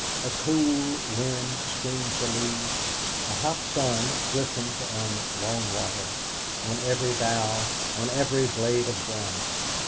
A cool wind swings the leaves; a hot sun glistens on Long Water, on every bough, on every blade of grass.